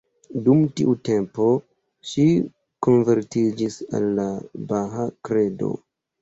Dum tiu tempo ŝi konvertiĝis al la bahaa kredo.